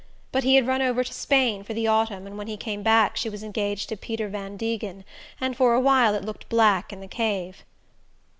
but he had run over to Spain for the autumn, and when he came back she was engaged to Peter Van Degen, and for a while it looked black in the cave.